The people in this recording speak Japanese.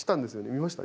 見ました？